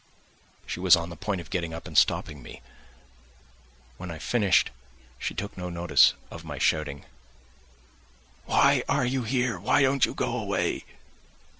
She was on the point of getting up and stopping me; when I finished she took no notice of my shouting: "Why are you here, why don't you go away?"